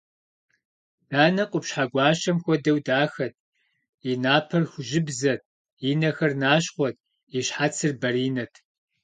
Данэ къупщхьэ гуащэм хуэдэу дахэт: и напэр хужьыбзэт, и нэхэр нащхъуэт, и щхьэцыр баринэт.